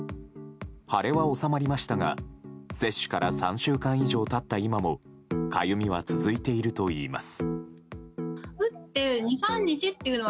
腫れは収まりましたが接種から３週間以上経った今もかゆみは続いているといいます。